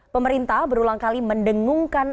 pemerintah berulang kali mendengungkan